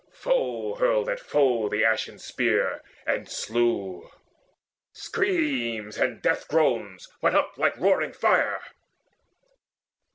Foe hurled at foe the ashen spear, and slew: Screams and death groans went up like roaring fire.